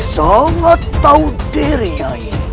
sangat tahu dirinya